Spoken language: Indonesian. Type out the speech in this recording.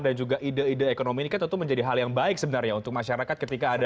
dan juga ide ide ekonomi ini kan tentu menjadi hal yang baik sebenarnya untuk masyarakat ketika ada